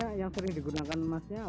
biasanya yang sering digunakan emasnya apa